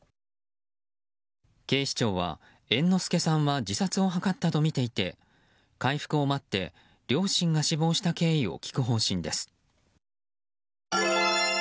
警視庁は、猿之助さんは自殺を図ったとみていて回復を待って、両親が死亡した経緯を聞く方針です。